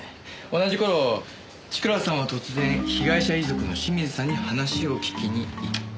同じ頃千倉さんは突然被害者遺族の清水さんに話を聞きにいった。